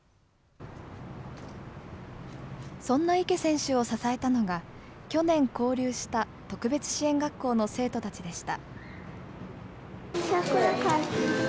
そんな池選手を支えたのが、去年交流した特別支援学校の生徒たちでした。